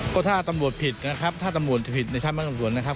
ก็ถ้าจำนวนผิดนะครับถ้าจำนวนผิดในชาติมันกรรมส่วนนะครับ